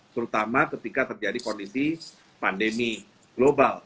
terutama ketika terjadi kondisi pandemi global